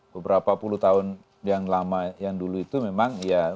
beberapa puluh tahun yang lama yang dulu itu memang ya